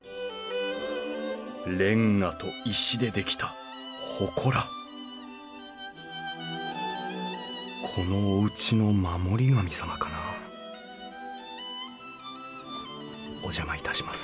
レンガと石で出来たほこらこのおうちの守り神様かなお邪魔いたします